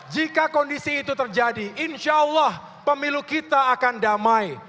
jika kondisi itu terjadi insya allah pemilu kita akan damai